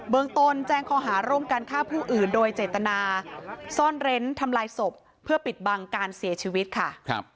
เบื้องตนแจงคอหาร่มการฆ่าผู้อื่นโดยเจตนา